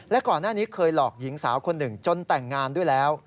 และก่อนหน้านี้เคยหลอกหญิงสาวคนหนึ่งจนแต่งงานด้วยแล้ว